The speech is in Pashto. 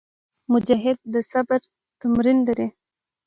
مجاهد د صبر تمرین لري.